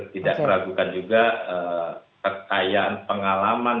tidak meragukan juga kekayaan pengalaman